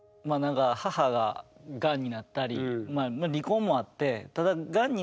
母ががんになったり離婚もあって。